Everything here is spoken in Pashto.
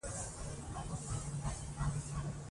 په پښتو کې د غږونو بدلون ډېر دی.